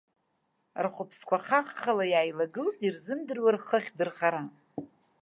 Рхәыԥсқәа хаххала иааилагылт, ирзымдыруа рхы ахьдырхара.